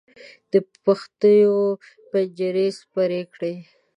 د پښتیو پنجرې سپر کړې.